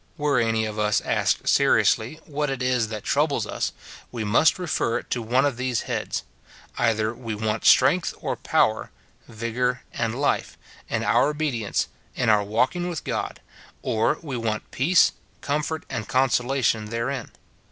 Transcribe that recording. Were any of us asked seriously, what it is that troubles us, we must refer it to one of these heads :— either we want strength or power, vigour and life, in our obedience, in our walk ing with God ; or we want peace, comfort, and consola tion therein.